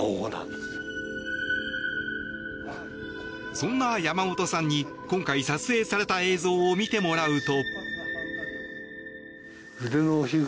そんな山本さんに今回撮影された映像を見てもらうと。